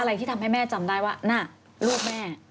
ที่ทำให้แม่จำได้ว่าน่ะลูกแม่